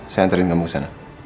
saya anterin kamu kesana